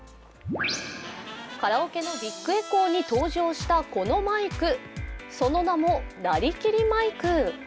カラオケのビッグエコーに登場したこのマイク、その名もなりきりマイク。